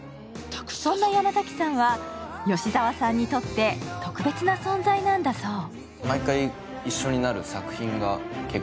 そんな山崎さんは、吉沢さんにとって特別な存在なんだそう。